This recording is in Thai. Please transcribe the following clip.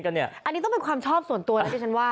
อันนี้ต้องเป็นความชอบส่วนตัวนะ